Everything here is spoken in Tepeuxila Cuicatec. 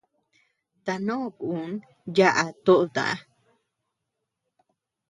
Tanoʼö kun yaʼa töota.